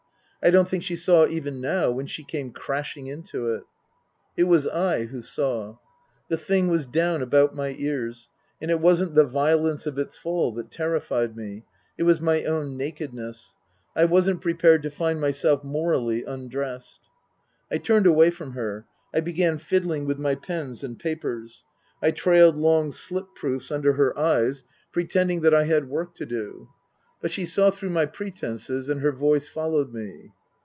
I don't think she saw even now when she came crashing into it. It was I who saw. The thing was down about my ears ; and it wasn't the violence of its fall that terrified me ; it was my own naked ness. I wasn't prepared to find myself morally undressed. I turned away from her. I began fiddling with my pens and papers. I trailed long slip proofs under her eyes, 278 Tasker Jevons pretending that I had work to do. But she saw through my pretences and her voice followed me.